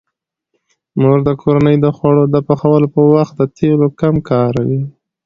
مور د کورنۍ د خوړو د پخولو په وخت د تیلو کم کاروي.